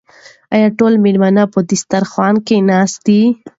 آیا ټول مېلمانه په دسترخوان کې ناست دي؟